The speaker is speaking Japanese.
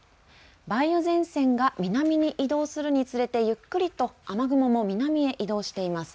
梅雨前線が南に移動するにつれてゆっくりと雨雲も南へ移動しています。